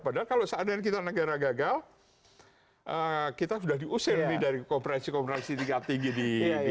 padahal kalau seandainya kita negara gagal kita sudah diusir nih dari konferensi konferensi tingkat tinggi di